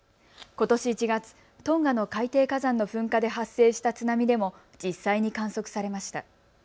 ことし１月、トンガの海底火山の噴火で発生した津波でも実際に観測されました。